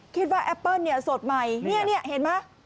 คิดว่าแอปเปิ้ลสดใหม่นี่เห็นไหม